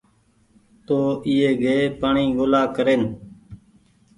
تو ايئي گئي پآڻيٚ ڳولآ ڪرين